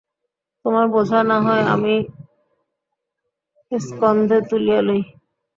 তোমার বোঝা না হয় আমিই স্কন্ধে তুলিয়া লই।